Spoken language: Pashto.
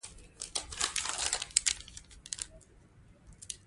څو کسان راغلي وو؟